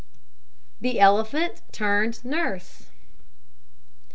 THE ELEPHANT TURNED NURSE.